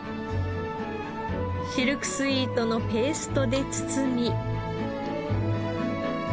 シルクスイートのペーストで包み。